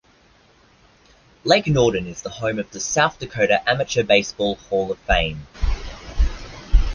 Lake Norden is the home of the South Dakota Amateur Baseball Hall of Fame.